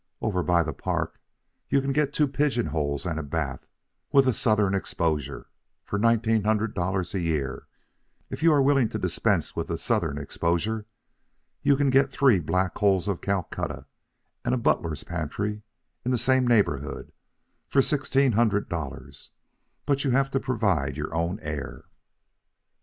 Over by the Park you can get two pigeon holes and a bath, with a southern exposure, for nineteen hundred dollars a year; if you are willing to dispense with the southern exposure you can get three Black Holes of Calcutta and a butler's pantry, in the same neighborhood, for sixteen hundred dollars, but you have to provide your own air.